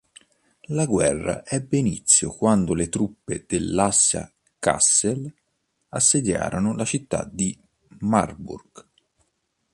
La guerra ebbe inizio quando le truppe dell'Assia-Kassel assediarono la città di Marburg.